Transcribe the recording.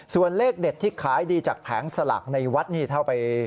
ส่วนเลขเด็ดที่ขายดีจากแผงสลากในวัดนี่เท่าไป